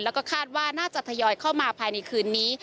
แล้วก็คาดว่าน่าจะทยอยเข้ามาภายในคืนนี้